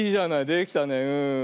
できたねうん。